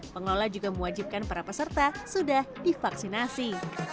pengelola juga mewajibkan para peserta sudah divaksinasi